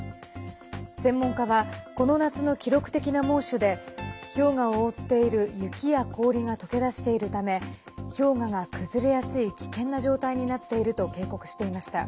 専門家はこの夏の記録的な猛暑で氷河を覆っている雪や氷がとけ出しているため氷河が崩れやすい危険な状態になっていると警告していました。